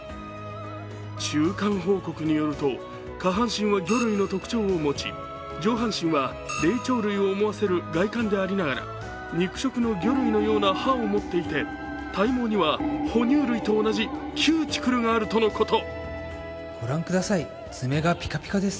中間報告によると、下半身は魚類の特徴を持ち、上半身は霊長類を思わせる外観でありながら肉食の魚類のような歯を持っていて体毛には哺乳類と同じキューティクルがあるとのこと。